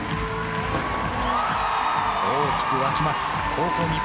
大きく湧きます。